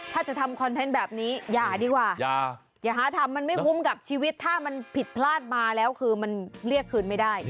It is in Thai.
ถ้าจะทำคอนเทนต์แบบนี้อย่าดีกว่าอย่าหาทำมันไม่คุ้มกับชีวิตถ้ามันผิดพลาดมาแล้วคือมันเรียกคืนไม่ได้